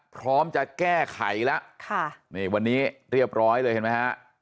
พร้อมจะแก้ไขแล้วค่ะนี่วันนี้เรียบร้อยเลยเห็นไหมฮะ